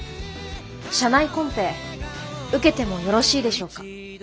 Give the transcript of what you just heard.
社内コンペ受けてもよろしいでしょうか。